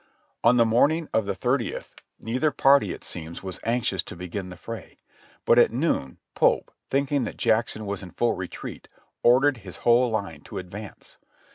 On the morning of the thirtieth neither party, it seems, was anxious to begin the fray ; but at noon Pope, thinking that Jack son was in full retreat, ordered his whole line to advance.